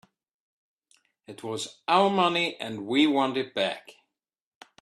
It was our money and we want it back.